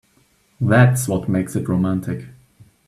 That's what makes it romantic.